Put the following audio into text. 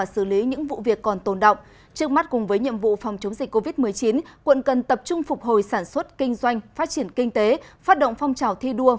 kinh doanh phát triển kinh tế phát động phong trào thi đua